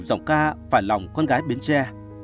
giọng ca phản lòng con gái biến tre